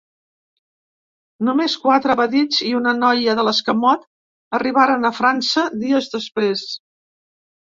Només quatre evadits i una noia de l’escamot arribaren a França, dies després.